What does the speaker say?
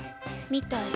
みたい。